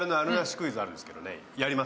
クイズあるんですけど、やります？